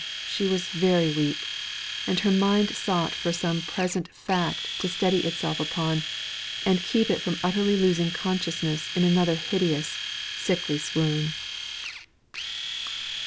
she was very weak; and her mind sought for some present fact to steady itself upon, and keep it from utterly losing consciousness in another hideous, sickly swoon.